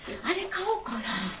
あれ買おうかなぁ。